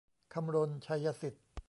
คำรณ ชัยสิทธิ์